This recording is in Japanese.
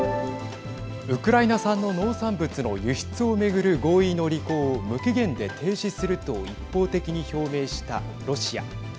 ウクライナ産の農産物の輸出を巡る合意の履行を無期限で停止すると一方的に表明したロシア。